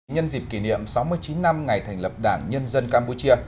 nhân dịp kỷ niệm sáu mươi chín năm ngày thành lập đảng nhân dân campuchia